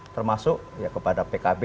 termasuk kepada pkb